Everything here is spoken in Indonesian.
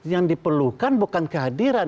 yang diperlukan bukan kehadiran